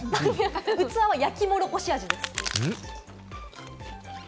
器は焼きもろこし味です。